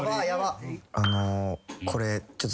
あのこれちょっと。